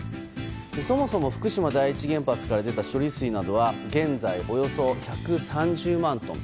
そもそも福島第一原発から出た処理水などは現在およそ１３０万トン。